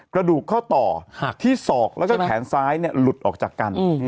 กระดูกเข้าต่อหักที่ศอกแล้วก็แขนซ้ายหลุดออกจากกัน